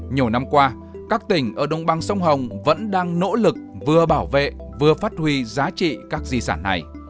nhiều năm qua các tỉnh ở đồng băng sông hồng vẫn đang nỗ lực vừa bảo vệ vừa phát huy giá trị các di sản này